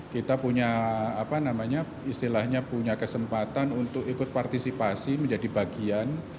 kita punya apa namanya istilahnya punya kesempatan untuk ikut partisipasi menjadi bagian